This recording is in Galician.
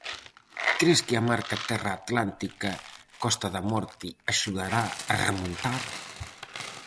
Cres que a marca terra atlántica - Costa da Morte axudará a remontar?